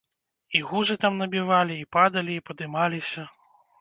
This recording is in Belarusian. І гузы там набівалі, і падалі, і падымаліся.